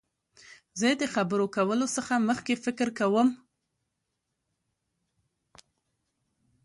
زه د خبرو کولو څخه مخکي فکر کوم.